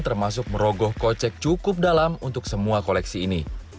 termasuk merogoh kocek cukup dalam untuk semua koleksi ini